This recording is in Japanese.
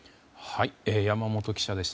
山本記者でした。